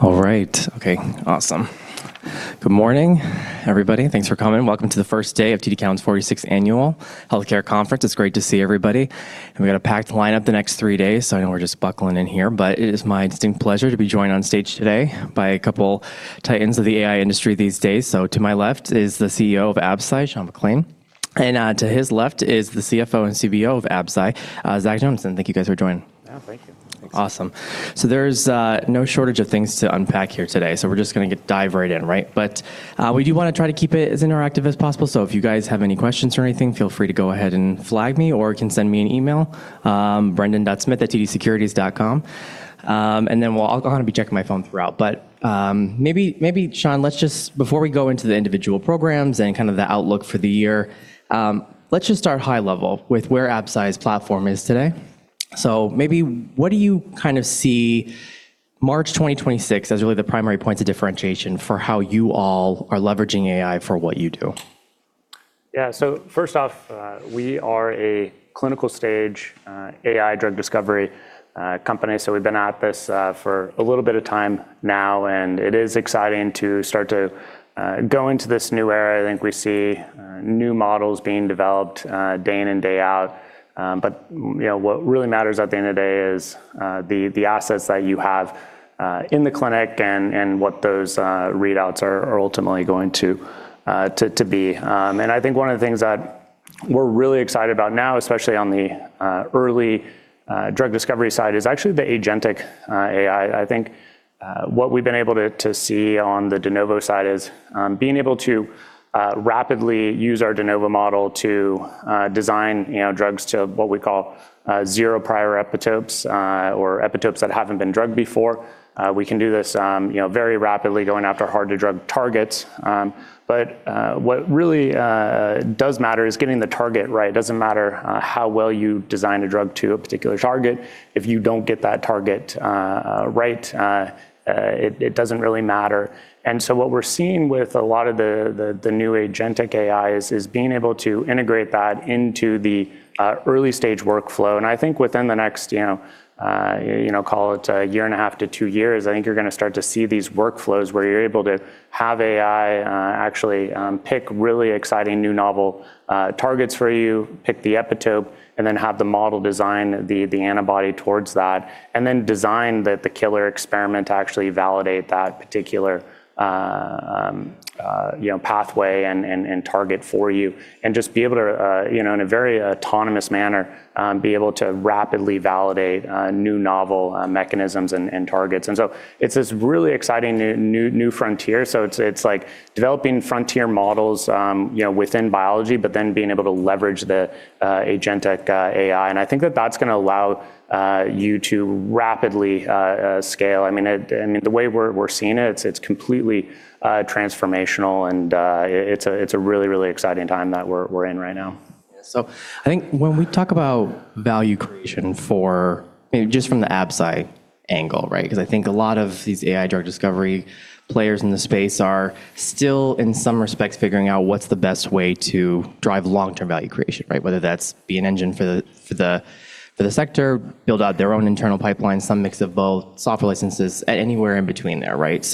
All right. Okay, awesome. Good morning, everybody. Thanks for coming. Welcome to the 46th Annual Healthcare Conference. It's great to see everybody. We got a packed line-up the next 3 days. I know we're just buckling in here. It is my distinct pleasure to be joined on stage today by a couple titans of the AI industry these days. To my left is the CEO of Absci, Sean McClain. To his left is the CFO and CBO of Absci, Zach Johnson. Thank you guys for joining. Yeah, thank you. Awesome. There's no shortage of things to unpack here today, so we're just gonna dive right in, right? We do wanna try to keep it as interactive as possible, so if you guys have any questions or anything, feel free to go ahead and flag me, or you can send me an email, brendan.smith@tdcowen.com. I'll gonna be checking my phone throughout. Maybe, maybe, Sean, let's just before we go into the individual programs and kind of the outlook for the year, let's just start high level with where Absci's platform is today. Maybe what do you kind of see March 2026 as really the primary points of differentiation for how you all are leveraging AI for what you do? Yeah. First off, we are a clinical stage AI drug discovery company. We've been at this for a little bit of time now, and it is exciting to start to go into this new era. I think we see new models being developed day in and day out. You know, what really matters at the end of the day is the assets that you have in the clinic and what those readouts are ultimately going to be. I think one of the things that we're really excited about now, especially on the early drug discovery side, is actually the agentic AI. I think what we've been able to see on the de novo side is being able to rapidly use our de novo model to design, you know, drugs to what we call zero prior epitopes or epitopes that haven't been drugged before. We can do this, you know, very rapidly going after hard to drug targets. What really does matter is getting the target right. It doesn't matter how well you design a drug to a particular target. If you don't get that target right, it doesn't really matter. What we're seeing with a lot of the new agentic AIs is being able to integrate that into the early stage workflow. I think within the next, you know, call it a year and a half to 2 years, I think you're gonna start to see these workflows where you're able to have AI actually pick really exciting new novel targets for you, pick the epitope, and then have the model design the antibody towards that, and then design the killer experiment to actually validate that particular, you know, pathway and target for you. Just be able to, you know, in a very autonomous manner, be able to rapidly validate new novel mechanisms and targets. It's this really exciting new frontier. It's like developing frontier models, you know, within biology, being able to leverage the agentic AI. I think that that's gonna allow, you to rapidly, scale. I mean, the way we're seeing it's completely, transformational, and, it's a really, really exciting time that we're in right now. I think when we talk about value creation for, you know, just from the Absci angle, right? Because I think a lot of these AI drug discovery players in the space are still, in some respects, figuring out what's the best way to drive long-term value creation, right? Whether that's be an engine for the sector, build out their own internal pipeline, some mix of both software licenses anywhere in between there, right?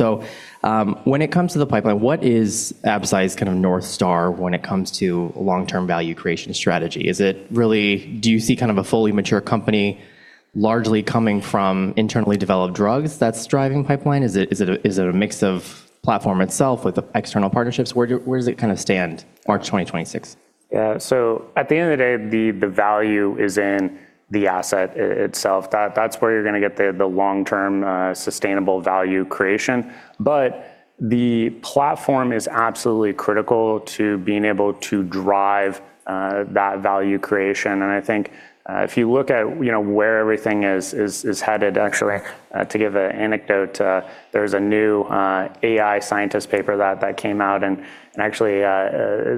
When it comes to the pipeline, what is Absci's kind of North Star when it comes to long-term value creation strategy? Do you see kind of a fully mature company largely coming from internally developed drugs that's driving pipeline? Is it a mix of platform itself with external partnerships? Where does it kind of stand March 2026? Yeah. At the end of the day, the value is in the asset itself. That's where you're gonna get the long-term sustainable value creation. The platform is absolutely critical to being able to drive that value creation. I think, if you look at, you know, where everything is headed, actually, to give an anecdote, there's a new AI scientist paper that came out and actually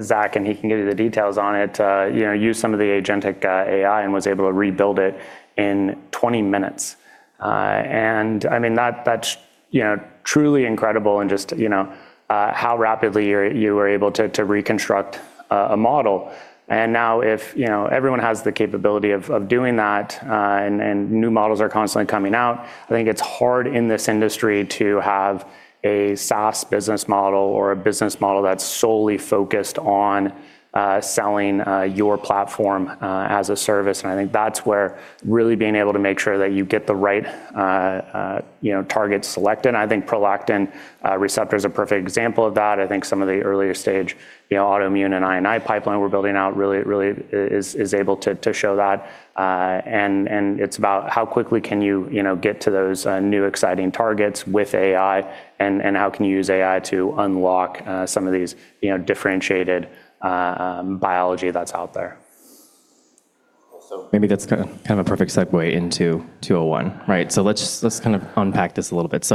Zach, and he can give you the details on it, you know, used some of the agentic AI and was able to rebuild it in 20 minutes. I mean, that's, you know, truly incredible in just, you know, how rapidly you were able to reconstruct a model. Now, if, you know, everyone has the capability of doing that, and new models are constantly coming out, I think it's hard in this industry to have a SaaS business model or a business model that's solely focused on selling your platform as a service. I think that's where really being able to make sure that you get the right, you know, targets selected. I think prolactin receptor is a perfect example of that. I think some of the earlier stage, you know, autoimmune and I&I pipeline we're building out really is able to show that. It's about how quickly can you know, get to those, new exciting targets with AI and how can you use AI to unlock, some of these, you know, differentiated, biology that's out there. Maybe that's kind of a perfect segue into 201, right? Let's, let's kind of unpack this a little bit.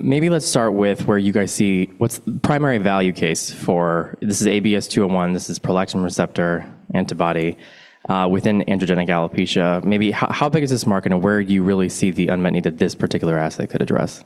Maybe let's start with where you guys see what's primary value case. This is ABS-201. This is prolactin receptor antibody within androgenic alopecia. Maybe how big is this market, and where do you really see the unmet need that this particular asset could address?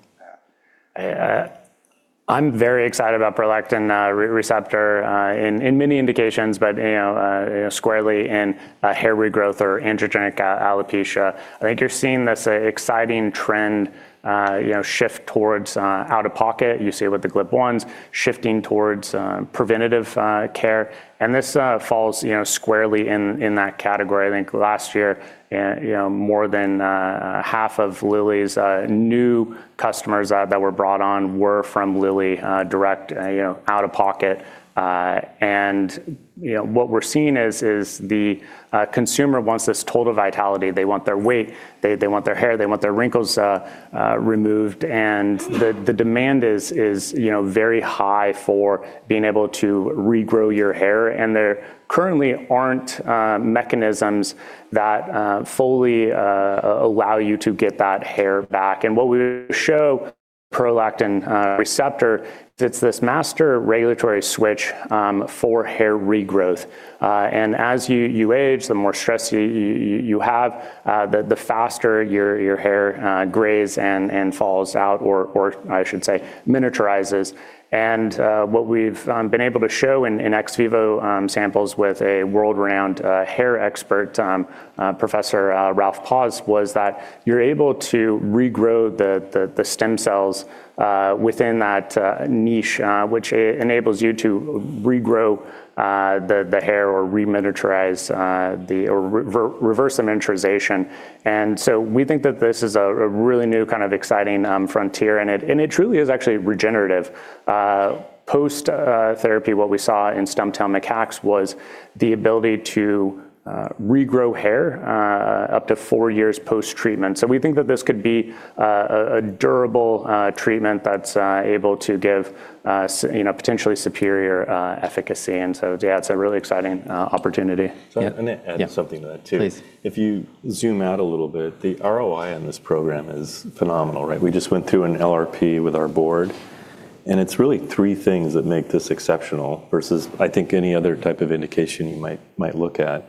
I'm very excited about prolactin receptor in many indications, but, you know, you know, squarely in hair regrowth or androgenic alopecia. I think you're seeing this exciting trend, you know, shift towards out-of-pocket, you see it with the GLP-1s, shifting towards preventative care, and this falls, you know, squarely in that category. I think last year, you know, more than half of Lilly's new customers that were brought on were from LillyDirect, you know, out-of-pocket. You know, what we're seeing is the consumer wants this total vitality. They want their weight, they want their hair, they want their wrinkles removed, and the demand is, you know, very high for being able to regrow your hair, and there currently aren't mechanisms that fully allow you to get that hair back. What we show prolactin receptor, it's this master regulatory switch for hair regrowth. As you age, the more stress you have, the faster your hair grays and falls out or I should say miniaturizes. What we've been able to show in ex vivo samples with a world-renowned hair expert, Professor Ralf Paus, was that you're able to regrow the stem cells within that niche, which enables you to regrow the hair or reminiaturize or reverse the miniaturization. We think that this is a really new kind of exciting frontier, and it truly is actually regenerative. Post therapy, what we saw in stump-tailed macaques was the ability to regrow hair up to 4 years post-treatment. So we think that this could be a durable treatment that's able to give, you know, potentially superior efficacy. So yeah, it's a really exciting opportunity. I'm gonna add something to that too. Please. If you zoom out a little bit, the ROI on this program is phenomenal, right? We just went through an LRP with our board, and it's really three things that make this exceptional versus, I think, any other type of indication you might look at.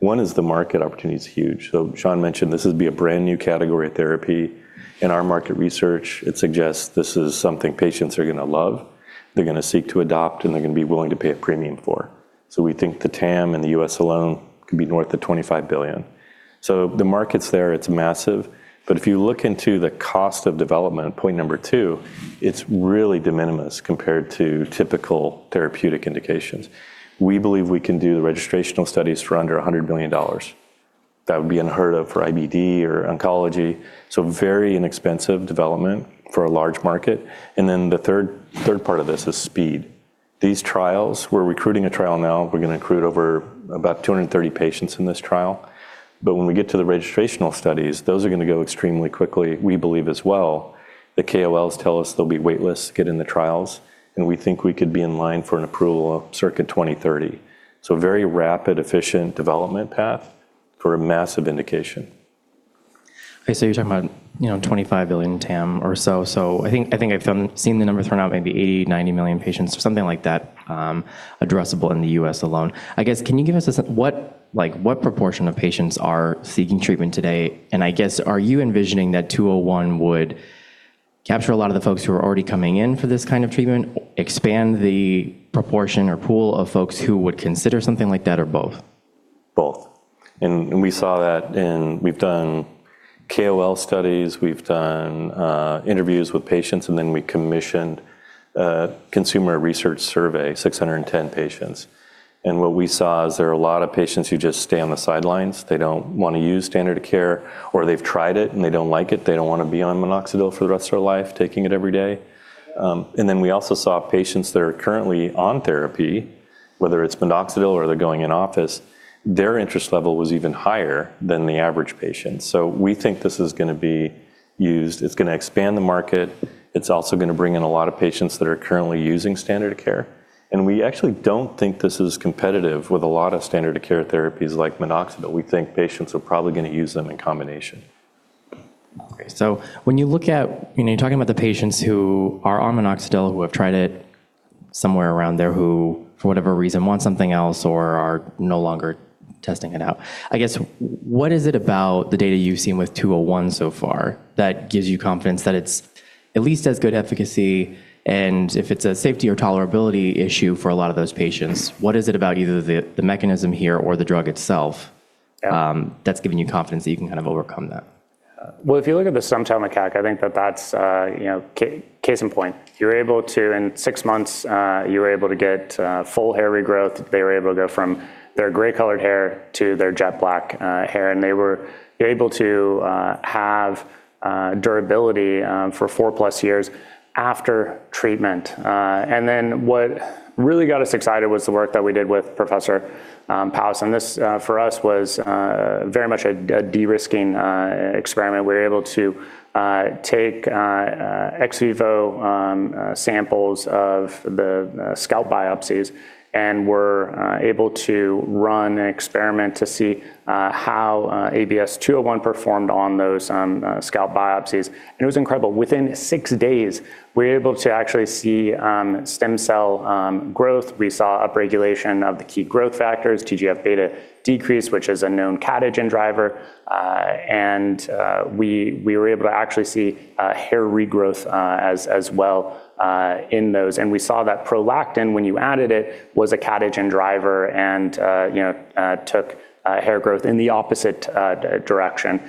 One is the market opportunity is huge. Sean mentioned this would be a brand-new category of therapy. In our market research, it suggests this is something patients are gonna love, they're gonna seek to adopt, and they're gonna be willing to pay a premium for. We think the TAM in the U.S. alone could be north of $25 billion. The market's there, it's massive. If you look into the cost of development, point number two, it's really de minimis compared to typical therapeutic indications. We believe we can do the registrational studies for under $100 million. That would be unheard of for IBD or oncology. Very inexpensive development for a large market. The third part of this is speed. These trials, we're recruiting a trial now, we're gonna recruit over about 230 patients in this trial. When we get to the registrational studies, those are gonna go extremely quickly, we believe as well. The KOLs tell us they'll be wait-listed to get in the trials, and we think we could be in line for an approval circa 2030. Very rapid, efficient development path for a massive indication. You're talking about, you know, $25 billion TAM or so. I think I've seen the number thrown out, maybe 80, 90 million patients or something like that, addressable in the U.S. alone. I guess, can you give us a sense what proportion of patients are seeking treatment today? I guess, are you envisioning that ABS-201 would capture a lot of the folks who are already coming in for this kind of treatment, expand the proportion or pool of folks who would consider something like that or both? Both. We saw that in... We've done KOL studies, we've done interviews with patients, then we commissioned a consumer research survey, 610 patients. What we saw is there are a lot of patients who just stay on the sidelines. They don't wanna use standard of care, or they've tried it and they don't like it. They don't wanna be on minoxidil for the rest of their life, taking it every day. Then we also saw patients that are currently on therapy, whether it's minoxidil or they're going in office, their interest level was even higher than the average patient. We think this is gonna be used. It's gonna expand the market. It's also gonna bring in a lot of patients that are currently using standard of care. We actually don't think this is competitive with a lot of standard of care therapies like minoxidil. We think patients are probably gonna use them in combination. Okay. When you're talking about the patients who are on minoxidil, who have tried it somewhere around there, who for whatever reason want something else or are no longer testing it out, I guess, what is it about the data you've seen with 201 so far that gives you confidence that it's at least as good efficacy? If it's a safety or tolerability issue for a lot of those patients, what is it about either the mechanism here or the drug itself that's giving you confidence that you can kind of overcome that? Well, if you look at the stump-tailed macaque, I think that that's, you know, case in point. You're able to, in 6 months, you were able to get full hair regrowth. They were able to go from their gray-colored hair to their jet black hair, and they were able to have durability for 4-plus years after treatment. What really got us excited was the work that we did with Professor Paus, and this for us was very much a de-risking experiment. We were able to take ex vivo samples of the scalp biopsies and were able to run an experiment to see how ABS-201 performed on those scalp biopsies. It was incredible. Within 6 days, we were able to actually see stem cell growth. We saw upregulation of the key growth factors, TGF-beta decrease, which is a known catagen driver. We were able to actually see hair regrowth as well in those. We saw that prolactin, when you added it, was a catagen driver and, you know, took hair growth in the opposite direction.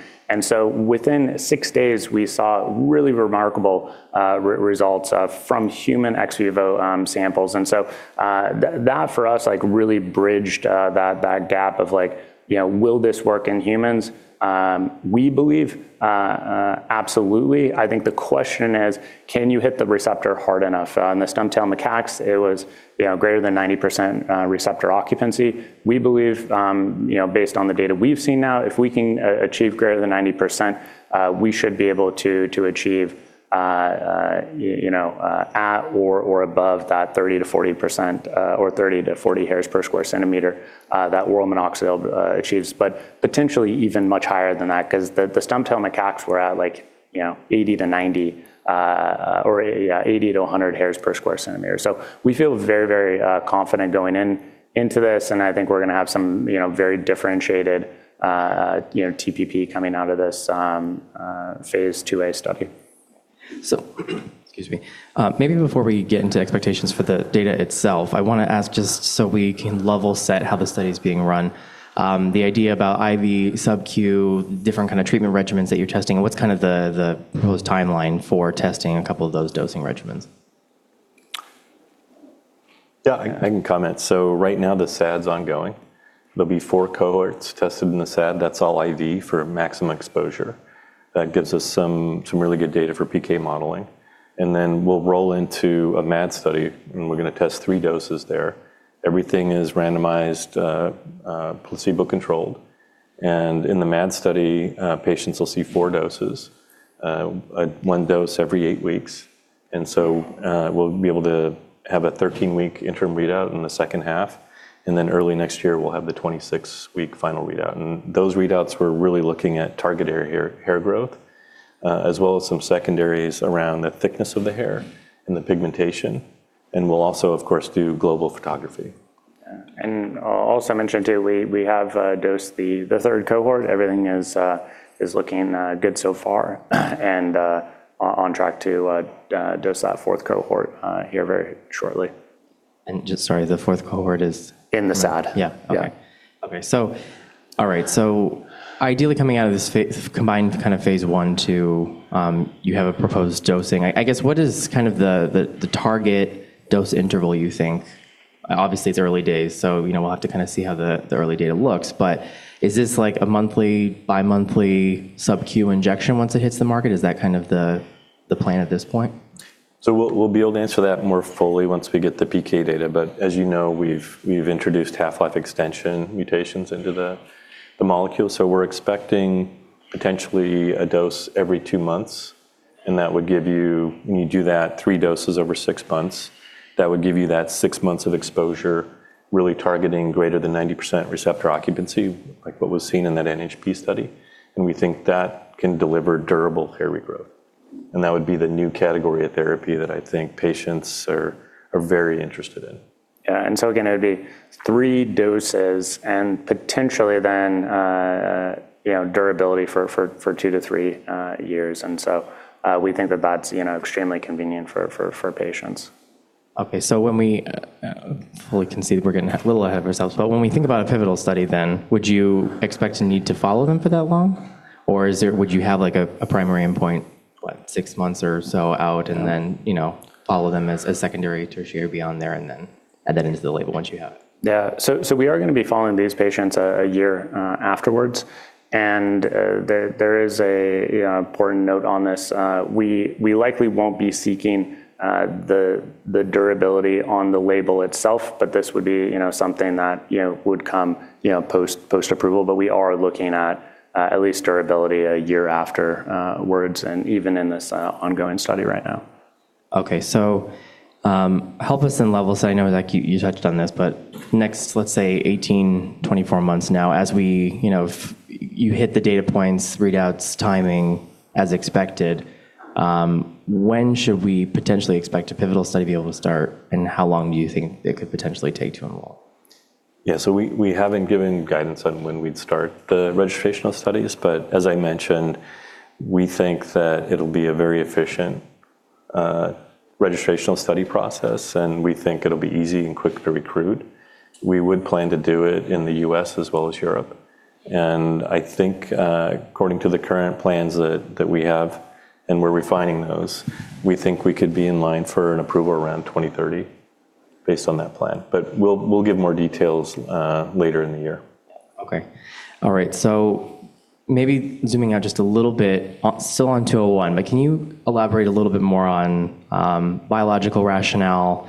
Within six days, we saw really remarkable results from human ex vivo samples. That for us like really bridged that gap of like, you know, will this work in humans? We believe absolutely. I think the question is can you hit the receptor hard enough? On the stump-tailed macaques, it was, you know, greater than 90% receptor occupancy. We believe, you know, based on the data we've seen now, if we can achieve greater than 90%, we should be able to achieve, you know, at or above that 30%-40%, or 30-40 hairs per square centimeter, that minoxidil achieves, but potentially even much higher than that 'cause the stump-tailed macaques were at like, you know, 80-90, or, yeah, 80-100 hairs per square centimeter. We feel very confident going into this, and I think we're gonna have some, you know, very differentiated, you know, TPP coming out of this, phase 2A study. Excuse me. Maybe before we get into expectations for the data itself, I wanna ask just so we can level set how the study is being run, the idea about IV, SubQ, different kind of treatment regimens that you're testing, and what's kind of the proposed timeline for testing a couple of those dosing regimens? Yeah, I can comment. Right now the SAD's ongoing. There'll be 4 cohorts tested in the SAD. That's all IV for maximum exposure. That gives us some really good data for PK modeling. We'll roll into a MAD study, and we're gonna test 3 doses there. Everything is randomized, placebo-controlled. In the MAD study, patients will see 4 doses, one dose every 8 weeks. We'll be able to have a 13-week interim readout in the second half, and then early next year we'll have the 26-week final readout. Those readouts we're really looking at target area hair growth, as well as some secondaries around the thickness of the hair and the pigmentation, and we'll also, of course, do global photography. Yeah. I'll also mention too, we have dosed the third cohort. Everything is looking good so far and on track to dose that fourth cohort here very shortly. Just sorry, the fourth cohort is. In the SAD. Yeah. Okay. Yeah. All right. Ideally coming out of this combined kind of phase 1 to, you have a proposed dosing. I guess what is kind of the target dose interval you think? Obviously it's early days, you know, we'll have to kinda see how the early data looks. Is this like a monthly, bi-monthly SubQ injection once it hits the market? Is that kind of the plan at this point? We'll be able to answer that more fully once we get the PK data. As you know, we've introduced half-life extension mutations into the molecule, so we're expecting potentially a dose every 2 months, and that would give you, when you do that 3 doses over 6 months, that would give you that 6 months of exposure, really targeting greater than 90% receptor occupancy, like what was seen in that NHP study, and we think that can deliver durable hair regrowth. That would be the new category of therapy that I think patients are very interested in. Yeah. Again, it'd be 3 doses and potentially then, you know, durability for 2 to 3 years. We think that that's, you know, extremely convenient for patients. When we fully concede we're getting a little ahead of ourselves, when we think about a pivotal study then, would you expect to need to follow them for that long? Would you have like a primary endpoint, what, six months or so out, and then, you know, follow them as a secondary, tertiary or beyond there and then add that into the label once you have it? We are gonna be following these patients a year afterwards. There is a important note on this. We likely won't be seeking the durability on the label itself, but this would be, you know, something that, you know, would come, you know, post-approval. We are looking at at least durability a year afterwards and even in this ongoing study right now. Help us in levels. I know like you touched on this, next, let's say 18, 24 months now, as we, you know, you hit the data points, readouts, timing as expected, when should we potentially expect a pivotal study be able to start, and how long do you think it could potentially take to enroll? Yeah. We haven't given guidance on when we'd start the registrational studies, but as I mentioned, we think that it'll be a very efficient Registrational study process, we think it'll be easy and quick to recruit. We would plan to do it in the U.S. as well as Europe. I think, according to the current plans that we have, and we're refining those, we think we could be in line for an approval around 2030 based on that plan. We'll give more details later in the year. Okay. All right. Maybe zooming out just a little bit, still on 201, but can you elaborate a little bit more on biological rationale,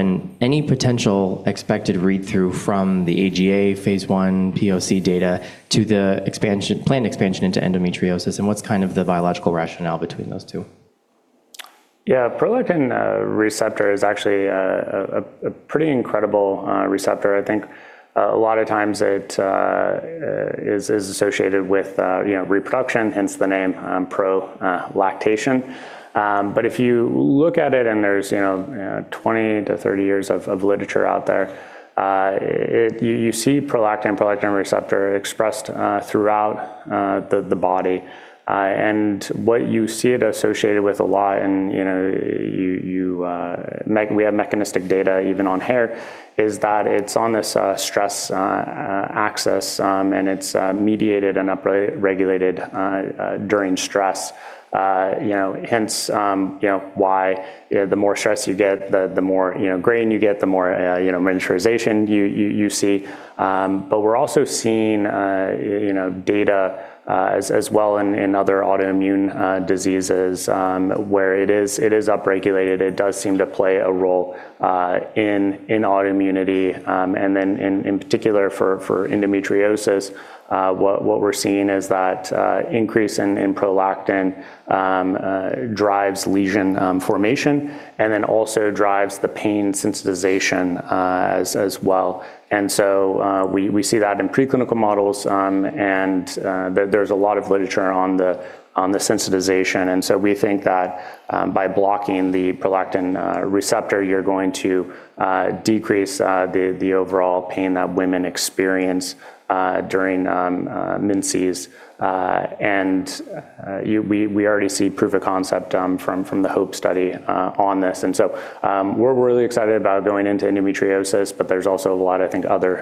and any potential expected read-through from the AGA phase 1 POC data to the planned expansion into endometriosis, and what's kind of the biological rationale between those two? Prolactin receptor is actually a pretty incredible receptor. I think a lot of times it is associated with, you know, reproduction, hence the name, pro lactation. If you look at it, and there's, you know, 20 to 30 years of literature out there, you see prolactin receptor expressed throughout the body. What you see it associated with a lot and, you know, we have mechanistic data even on hair, is that it's on this stress axis, and it's mediated and upre-regulated during stress. Hence, you know, why the more stress you get, the more, you know, graying you get, the more, you know, miniaturization you see. We're also seeing, you know, data as well in other autoimmune diseases where it is upregulated. It does seem to play a role in autoimmunity. In particular for endometriosis, what we're seeing is that increase in prolactin drives lesion formation and then also drives the pain sensitization as well. We see that in preclinical models, and there's a lot of literature on the sensitization. We think that by blocking the prolactin receptor, you're going to decrease the overall pain that women experience during menses. We already see proof of concept from the HOPE study on this. We're really excited about going into endometriosis, but there's also a lot, I think, other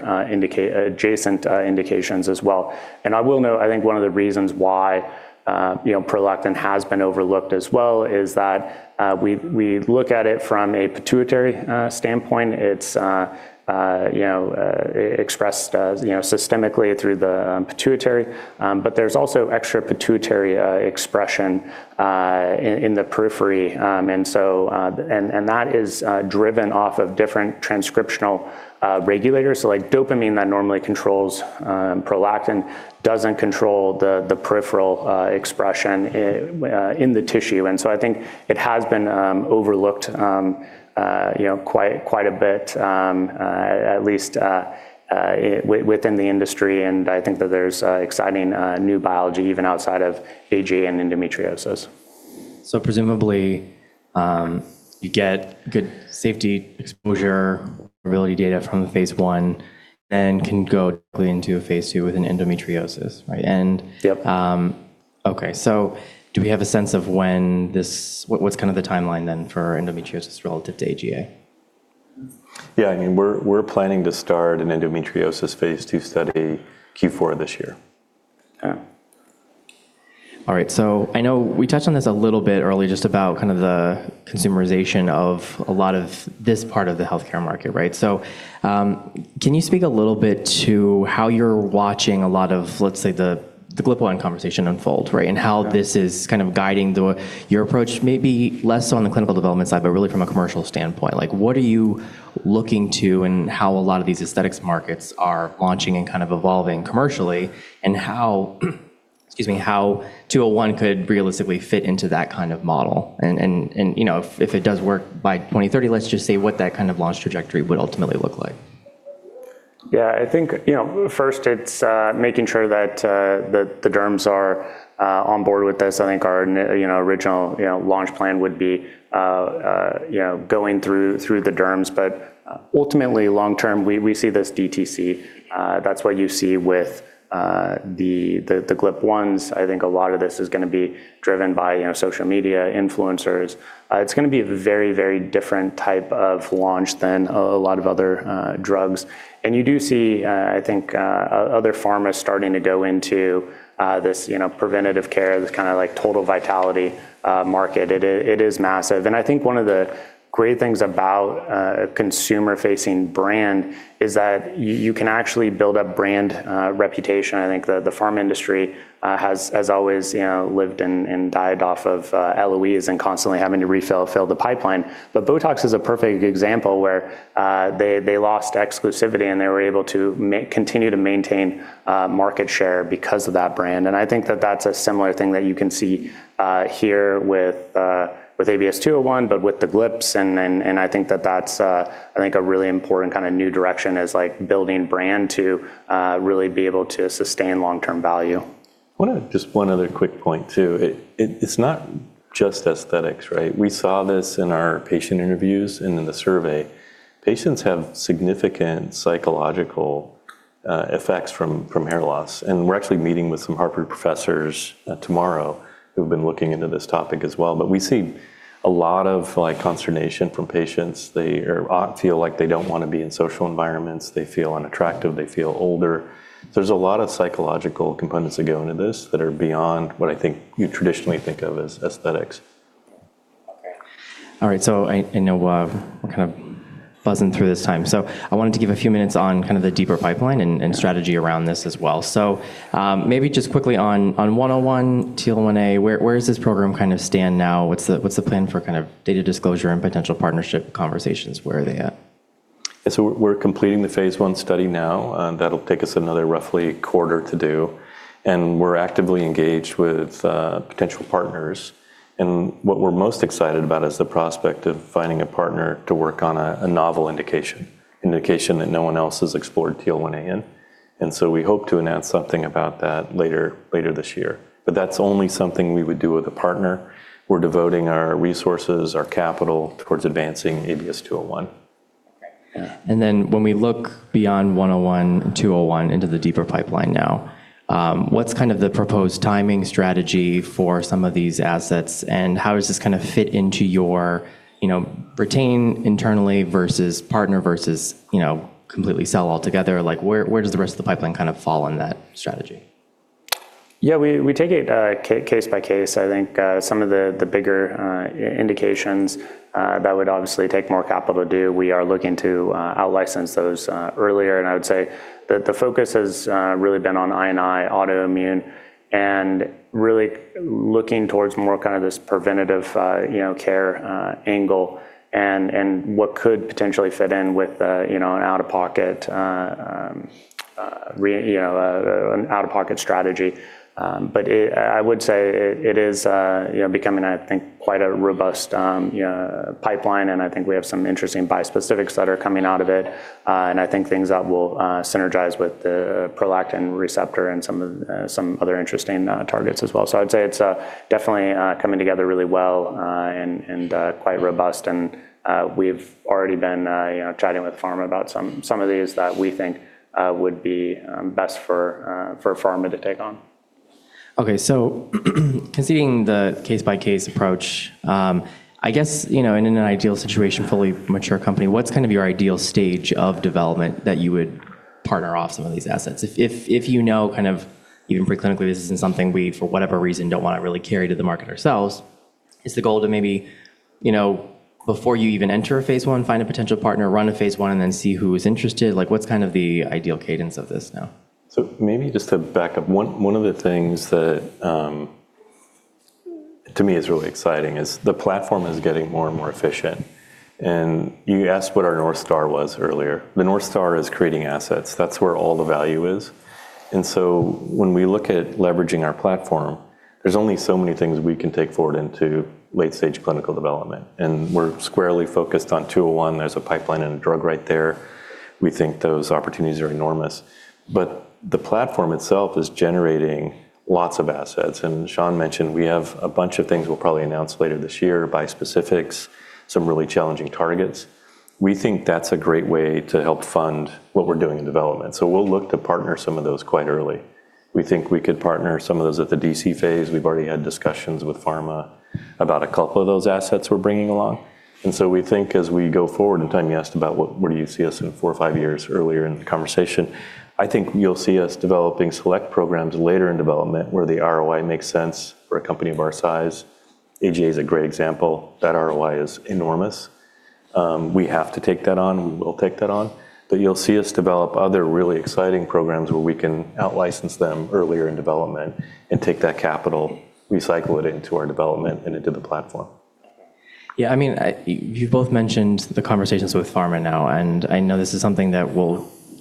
adjacent indications as well. I will note, I think one of the reasons why, you know, prolactin has been overlooked as well is that we look at it from a pituitary standpoint. It's, you know, expressed, you know, systemically through the pituitary. But there's also extra-pituitary expression in the periphery. That is driven off of different transcriptional regulators. Like dopamine that normally controls prolactin doesn't control the peripheral expression in the tissue. I think it has been overlooked, you know, quite a bit at least within the industry. I think that there's exciting new biology even outside of AGA and endometriosis. Presumably, you get good safety exposure reliability data from the phase 1 and can go directly into a phase 2 with an endometriosis, right? Yep. Okay. Do we have a sense of what's kind of the timeline then for endometriosis relative to AGA? Yeah. I mean, we're planning to start an endometriosis phase 2 study Q4 this year. Yeah. All right. I know we touched on this a little bit earlier just about kind of the consumerization of a lot of this part of the healthcare market, right? Can you speak a little bit to how you're watching a lot of, let's say, the GLP-1 conversation unfold, right? Sure. How this is kind of guiding your approach, maybe less so on the clinical development side, but really from a commercial standpoint, like, what are you looking to and how a lot of these aesthetics markets are launching and kind of evolving commercially, how, excuse me, 201 could realistically fit into that kind of model? You know, if it does work by 2030, let's just say what that kind of launch trajectory would ultimately look like. Yeah. I think, you know, first it's making sure that the derms are on board with this. I think our you know, original, you know, launch plan would be, you know, going through the derms. Ultimately, long term, we see this DTC. That's what you see with the GLP-1s. I think a lot of this is gonna be driven by, you know, social media influencers. It's gonna be a very, very different type of launch than a lot of other drugs. You do see, I think, other pharmas starting to go into this, you know, preventative care, this kind of like total vitality market. It is massive. I think one of the great things about a consumer-facing brand is that you can actually build a brand reputation. I think the pharma industry has always, you know, lived and died off of LOEs and constantly having to refill the pipeline. Botox is a perfect example where they lost exclusivity, and they were able to continue to maintain market share because of that brand. I think that that's a similar thing that you can see here with ABS-201, but with the GLP-1s. I think that that's I think a really important kinda new direction is, like, building brand to really be able to sustain long-term value. Just one other quick point too. It's not just aesthetics, right? We saw this in our patient interviews and in the survey. Patients have significant psychologica effects from hair loss. We're actually meeting with some Harvard professors tomorrow who've been looking into this topic as well. We see a lot of, like, consternation from patients. They feel like they don't wanna be in social environments. They feel unattractive. They feel older. There's a lot of psychological components that go into this that are beyond what I think you traditionally think of as aesthetics. Okay. All right. I know we're kind of buzzing through this time, so I wanted to give a few minutes on kind of the deeper pipeline and strategy around this as well. Maybe just quickly on 101 TL1A, where is this program kind of stand now? What's the, what's the plan for kind of data disclosure and potential partnership conversations? Where are they at? We're completing the phase I study now. That'll take us another roughly quarter to do, and we're actively engaged with potential partners. What we're most excited about is the prospect of finding a partner to work on a novel indication, an indication that no one else has explored TL1A in. We hope to announce something about that later this year. That's only something we would do with a partner. We're devoting our resources, our capital towards advancing ABS-201. Okay. Yeah. When we look beyond 101 and 201 into the deeper pipeline now, what's kind of the proposed timing strategy for some of these assets, and how does this kind of fit into your, you know, retain internally versus partner versus, you know, completely sell altogether? Like, where does the rest of the pipeline kind of fall on that strategy? Yeah. We take it case by case. I think some of the bigger indications that would obviously take more capital to do, we are looking to out-license those earlier. I would say that the focus has really been on I&I autoimmune and really looking towards more kind of this preventative, you know, care angle and what could potentially fit in with, you know, an out-of-pocket, you know, an out-of-pocket strategy. I would say it is, you know, becoming, I think, quite a robust pipeline, and I think we have some interesting bispecifics that are coming out of it. I think things that will synergize with the prolactin receptor and some of some other interesting targets as well. I'd say it's, definitely, coming together really well, and, quite robust. We've already been, you know, chatting with pharma about some of these that we think, would be, best for pharma to take on. Okay. Conceding the case-by-case approach, I guess, you know, in an ideal situation, fully mature company, what's kind of your ideal stage of development that you would partner off some of these assets? If you know kind of even pre-clinically this isn't something we, for whatever reason, don't wanna really carry to the market ourselves, is the goal to maybe, you know, before you even enter a phase I, find a potential partner, run a phase I, and then see who is interested? What's kind of the ideal cadence of this now? Maybe just to back up, one of the things that to me is really exciting is the platform is getting more and more efficient. You asked what our North Star was earlier. The North Star is creating assets. That's where all the value is. When we look at leveraging our platform, there's only so many things we can take forward into late-stage clinical development, and we're squarely focused on 201. There's a pipeline and a drug right there. We think those opportunities are enormous. The platform itself is generating lots of assets. Sean mentioned we have a bunch of things we'll probably announce later this year, bispecifics, some really challenging targets. We think that's a great way to help fund what we're doing in development, so we'll look to partner some of those quite early. We think we could partner some of those at the DC phase. We've already had discussions with pharma about a couple of those assets we're bringing along. We think as we go forward, and Tim, you asked where do you see us in four or five years earlier in the conversation, I think you'll see us developing select programs later in development where the ROI makes sense for a company of our size. AGA is a great example. That ROI is enormous. We have to take that on. We will take that on. You'll see us develop other really exciting programs where we can out-license them earlier in development and take that capital, recycle it into our development and into the platform. Yeah. I mean, you both mentioned the conversations with pharma now. I know this is something that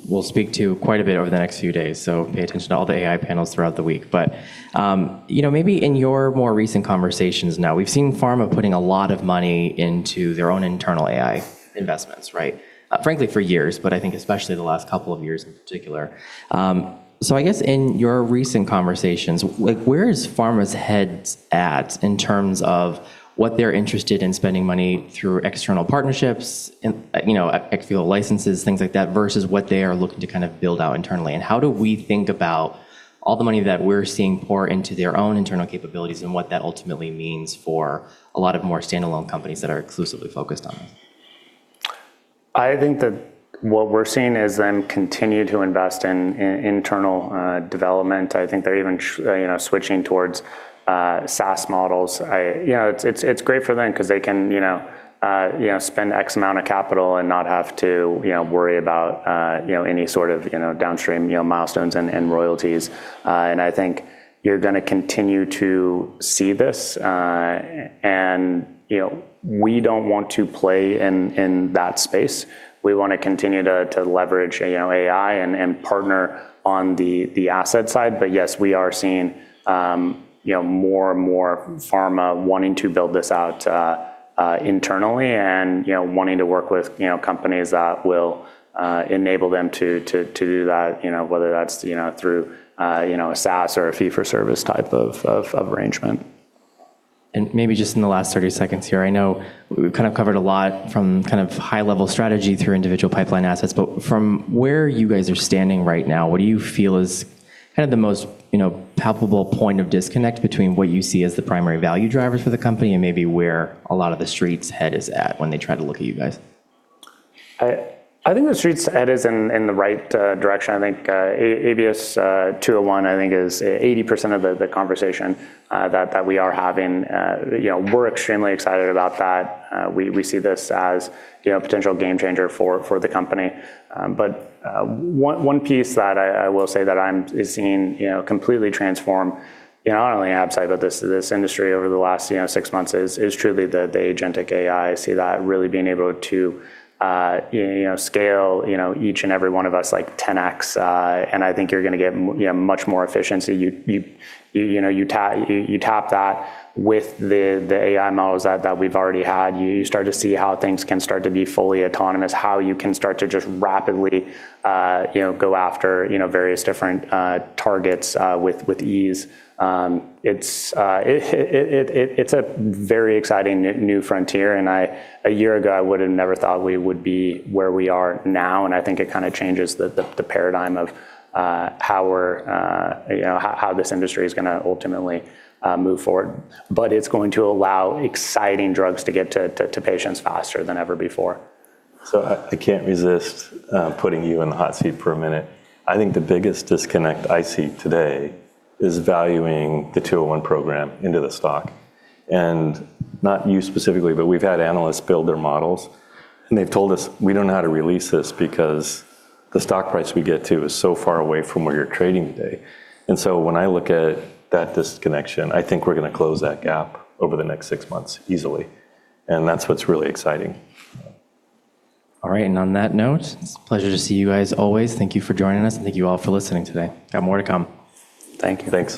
we'll speak to quite a bit over the next few days, pay attention to all the AI panels throughout the week. You know, maybe in your more recent conversations now, we've seen pharma putting a lot of money into their own internal AI investments, right? Frankly, for years, I think especially the last couple of years in particular. I guess in your recent conversations, like where is pharma's heads at in terms of what they're interested in spending money through external partnerships and, you know, exfield licenses, things like that, versus what they are looking to kind of build out internally? How do we think about all the money that we're seeing pour into their own internal capabilities and what that ultimately means for a lot of more standalone companies that are exclusively focused on them? I think that what we're seeing is them continue to invest in internal, development. I think they're even switching towards SaaS models. You know, it's, it's great for them 'cause they can, you know, spend X amount of capital and not have to, you know, worry about, you know, any sort of, you know, downstream, you know, milestones and royalties. I think you're gonna continue to see this. You know, we don't want to play in that space. We wanna continue to leverage, you know, AI and partner on the asset side. Yes, we are seeing, you know, more and more pharma wanting to build this out internally and, you know, wanting to work with, you know, companies that will enable them to do that, you know, whether that's, you know, through, you know, a SaaS or a fee for service type of arrangement. Maybe just in the last 30 seconds here, I know we've kind of covered a lot from kind of high-level strategy through individual pipeline assets, but from where you guys are standing right now, what do you feel is kind of the most, you know, palpable point of disconnect between what you see as the primary value drivers for the company and maybe where a lot of the Street's head is at when they try to look at you guys? I think the Street's head is in the right direction. I think ABS-201 I think is 80% of the conversation that we are having. You know, we're extremely excited about that. We see this as, you know, a potential game changer for the company. But one piece that I will say that I'm seeing, you know, completely transform, you know, not only Absci but this industry over the last, you know, 6 months is truly the agentic AI. See that really being able to, you know, scale, you know, each and every one of us like 10x. And I think you're gonna get you know, much more efficiency. You know. You top that with the AI models that we've already had. You start to see how things can start to be fully autonomous, how you can start to just rapidly, you know, go after, you know, various different targets with ease. It's a very exciting new frontier. A year ago, I would have never thought we would be where we are now, and I think it kind of changes the paradigm of how we're, you know, how this industry is going to ultimately move forward. It's going to allow exciting drugs to get to patients faster than ever before. I can't resist putting you in the hot seat for a minute. I think the biggest disconnect I see today is valuing the 201 program into the stock. Not you specifically, but we've had analysts build their models, and they've told us, "We don't know how to release this because the stock price we get to is so far away from where you're trading today." When I look at that disconnection, I think we're gonna close that gap over the next 6 months easily, and that's what's really exciting. All right. On that note, it's a pleasure to see you guys always. Thank you for joining us, and thank you all for listening today. Got more to come. Thank you. Thank you